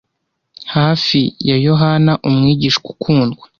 hafi ya yohana umwigishwa ukundwa